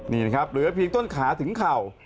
นี่นะครับเหลือเพียงต้นขาถึงเข่า